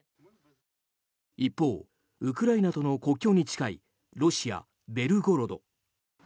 一方、ウクライナとの国境に近いロシア・ベルゴロド。